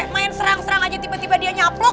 main serang serang aja tiba tiba dia nyaplok